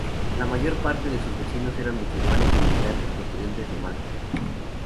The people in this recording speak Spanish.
La mayor parte de sus vecinos eran musulmanes, inmigrantes procedentes de Magreb.